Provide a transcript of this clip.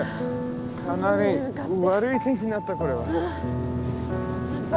かなり悪い天気になったこれは。